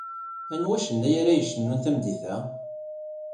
Anwa acennnay ara yecnun tameddit-a?